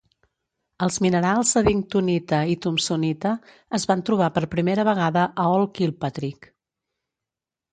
Els minerals edingtonita i thomsonita es van trobar per primera vegada a Old Kilpatrick.